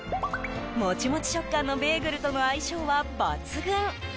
もちもち食感のベーグルとの相性は抜群。